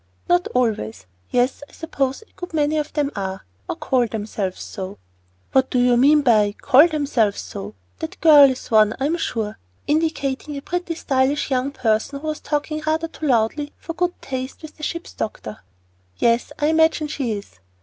"Not always. Yes, I suppose a good many of them are or call themselves so." "What do you mean by 'call themselves so'? That girl is one, I am sure," indicating a pretty, stylish young person, who was talking rather too loudly for good taste with the ship's doctor. "Yes, I imagine she is."